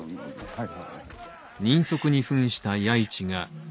はい。